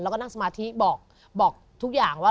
เราก็นั่งสมาธิบอกบอกทุกอย่างว่า